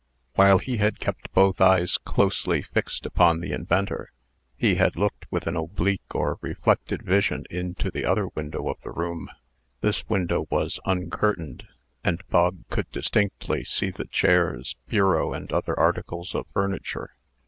While he had kept both eyes closely fixed upon the inventor, he had looked with an oblique, or reflected vision, into the other window of the room. This window was uncurtained, and Bog could distinctly see the chairs, bureau, and other articles of furniture.